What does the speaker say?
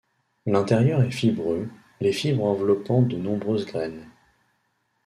L'intérieur est fibreux, les fibres enveloppant de nombreuses graines.